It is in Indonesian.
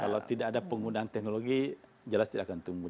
kalau tidak ada penggunaan teknologi jelas tidak akan tumbuh